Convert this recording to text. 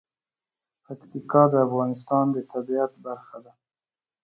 پکتیکا د افغانستان د طبیعت برخه ده.